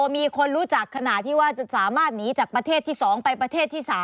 มีคนรู้จักขณะที่ว่าจะสามารถหนีจากประเทศที่๒ไปประเทศที่๓